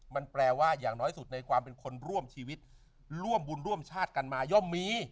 มันแปลว่าอย่างน้อยสุดในความเป็นคนร่วมชีวิตร่วมบุญร่วมชาติกันมาย่อมมี